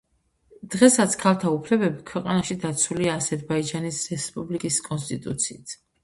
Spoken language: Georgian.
დღესაც ქალთა უფლებები ქვეყანაში დაცულია აზერბაიჯანის რესპუბლიკის კონსტიტუციით.